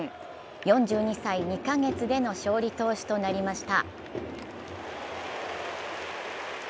４２歳２か月での勝利投手となりました。